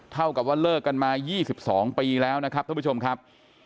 เท่ากับว่าเลิกกันมา๒๒ปีแล้วนะครับท่านผู้ชมครับ